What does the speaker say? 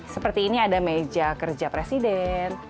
seperti ini ada meja kerja presiden